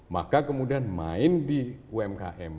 maka kemudian main di umkm